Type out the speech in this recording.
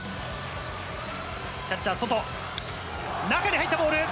キャッチャー外、中に入ったボール。